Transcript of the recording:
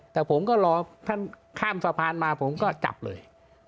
แต่ผมก็รอท่านข้ามสะพานมาผมก็จับเลย